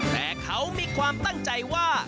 แต่เขามีความตั้งใจว่า